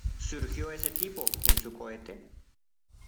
Surgió ese tipo en su cohete